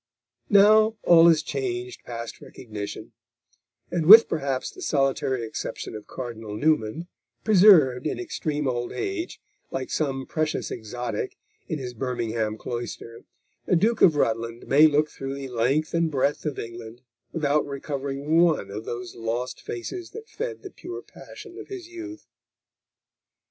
Now all is changed past recognition, and with, perhaps, the solitary exception of Cardinal Newman, preserved in extreme old age, like some precious exotic, in his Birmingham cloister, the Duke of Rutland may look through the length and breadth of England without recovering one of those lost faces that fed the pure passion of his youth.